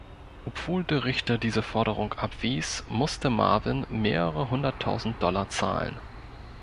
Obwohl der Richter diese Forderung abwies, musste Marvin mehrere hunderttausend Dollar zahlen.